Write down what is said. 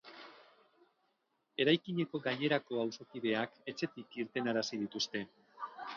Eraikineko gainerako auzokideak etxetik irtenarazi dituzte.